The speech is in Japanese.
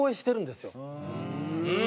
うん！